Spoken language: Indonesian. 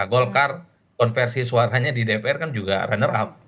golkar konversi suaranya di dpr kan juga runner up